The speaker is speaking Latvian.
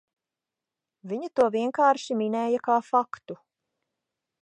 Viņa to vienkārši minēja kā faktu.